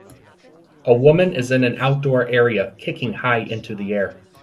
A woman is in an outdoor area kicking high into the air.